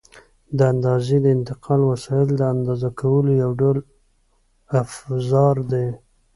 د اندازې د انتقال وسایل د اندازه کولو یو ډول افزار دي.